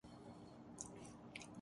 Kazakhstan تمغوں کے ساتھ پہلے نمبر پر رہا